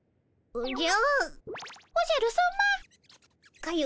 おじゃ！